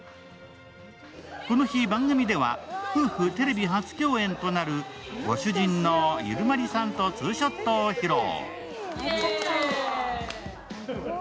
この日番組では、夫婦テレビ初共演となるご主人のＩＬＭＡＲＩさんとツーショットを披露。